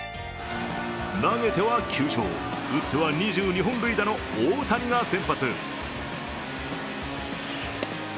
投げては９勝打っては２２本塁打の大谷が先発。